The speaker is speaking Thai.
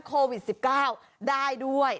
โควิด๑๙ได้ด้วย